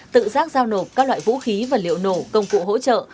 tự giác giao nộp các loại vũ khí và liệu nổ công cụ hỗ trợ